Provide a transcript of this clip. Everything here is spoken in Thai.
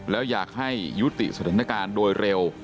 แล้วอยากให้ยุติสถานการณ์โดยเร็ว